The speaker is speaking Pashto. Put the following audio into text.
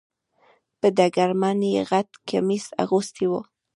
په ډګرمن یې غټ کمیس اغوستی و .